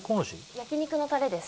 焼き肉のタレです。